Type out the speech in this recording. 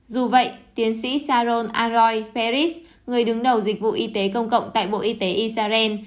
dù vậy tiến sĩ sharon arroy paris người đứng đầu dịch vụ y tế công cộng tại bộ y tế israel